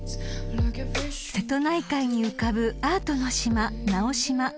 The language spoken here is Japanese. ［瀬戸内海に浮かぶアートの島直島］